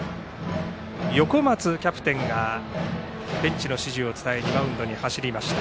横松キャプテンがベンチの指示を伝えにマウンドに走りました。